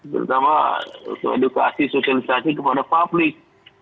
terutama edukasi sosialisasi kepada publik